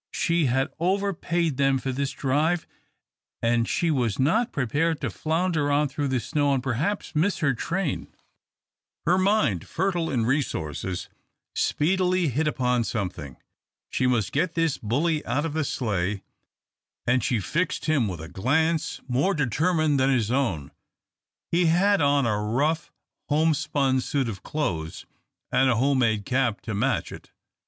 She had overpaid them for this drive, and she was not prepared to flounder on through the snow and perhaps miss her train. Her mind, fertile in resources, speedily hit upon something. She must get this bully out of the sleigh, and she fixed him with a glance more determined than his own. He had on a rough homespun suit of clothes, and a home made cap to match it.